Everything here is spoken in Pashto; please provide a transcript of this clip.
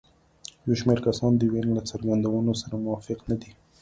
یو شمېر کسان د وین له څرګندونو سره موافق نه دي.